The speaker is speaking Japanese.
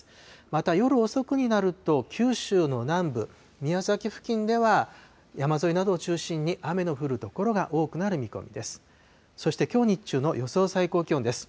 また夜遅くになると、九州の南部、宮崎付近では、山沿いなどを中心に雨の降る所が多くなる見込みです。